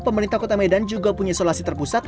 pemerintah kota medan juga punya isolasi terpusat